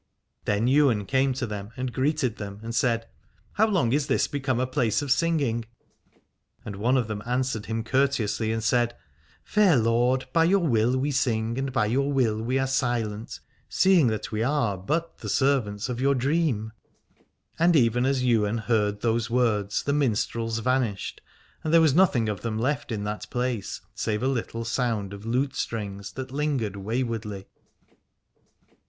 Then Ywain came to them and greeted them, and said : How long is this become a place of singing ? And one of them answered him courteously, and said : Fair lord, by your will we sing and by your will we are silent, seeing that we are but the servants of your 259 Alad ore dream. And even as Ywain heard those words the minstrels vanished, and there was nothing of them left in that place, save a little sound of lutestrings that lingered way wardly.